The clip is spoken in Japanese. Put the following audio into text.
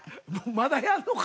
まだやるのか。